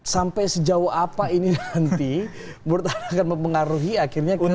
sampai sejauh apa ini nanti menurut anda akan mempengaruhi akhirnya kemudian